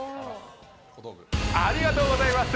ありがとうございます。